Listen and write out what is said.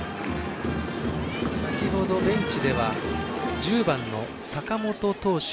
先ほど、ベンチでは１０番の坂本投手